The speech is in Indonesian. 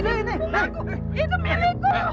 buka kek ini